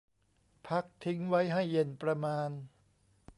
พักทิ้งไว้ให้เย็นประมาณ